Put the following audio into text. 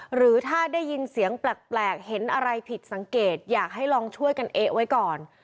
หรือถ้าได้ยินเสียงแปลกเห็นอะไรผิดสังเกตอยากให้ลองช่วยกันเอ๊ะไว้ก่อน